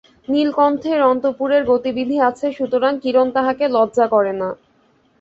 নীলকণ্ঠের অন্তঃপুরে গতিবিধি আছে, সুতরাং কিরণ তাহাকে লজ্জা করে না।